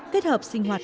kết hợp sinh hoạt